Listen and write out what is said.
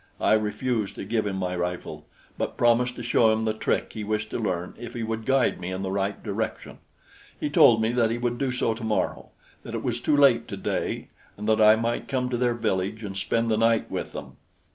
I refused to give him my rifle, but promised to show him the trick he wished to learn if he would guide me in the right direction. He told me that he would do so tomorrow, that it was too late today and that I might come to their village and spend the night with them.